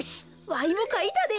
わいもかいたで。